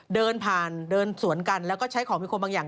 เดินผ่านเดินสวนกันแล้วก็ใช้ของมีคมบางอย่าง